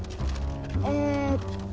えっと。